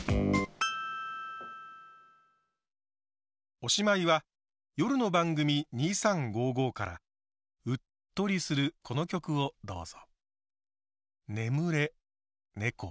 おしまいは夜の番組「２３５５」からうっとりするこの曲をどうぞ。